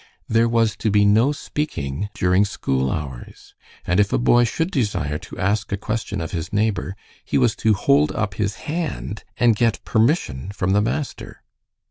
There was to be no speaking during school hours, and if a boy should desire to ask a question of his neighbor, he was to hold up his hand and get permission from the master.